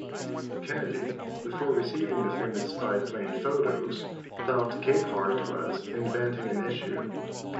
Kennedy, before receiving the famous spy-plane photos, thought Capehart was "inventing an issue".